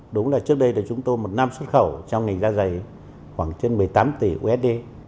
đúng là trước đây là chúng tôi một năm xuất khẩu trong ngành da dày khoảng trên một mươi tám tỷ usd